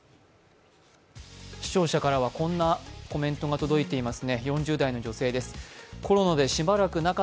視聴者からはこんなコメントが届いています。